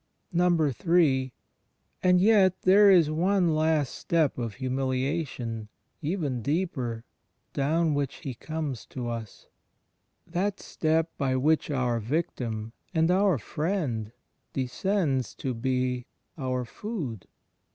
HI. And yet there is one last step of humiliation, even deeper, down which He comes to us — that step by which our Victim and our Friend descends to be our Food.